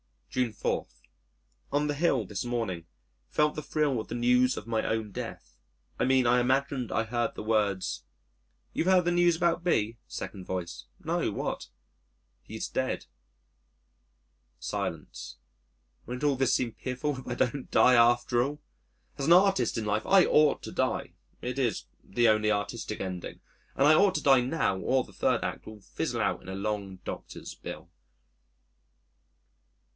June 4. On the Hill, this morning, felt the thrill of the news of my own Death: I mean I imagined I heard the words, "You've heard the news about B ?" Second Voice: "No, what?" "He's dead." Silence. Won't all this seem piffle if I don't die after all! As an artist in life I ought to die; it is the only artistic ending and I ought to die now or the Third Act will fizzle out in a long doctor's bill.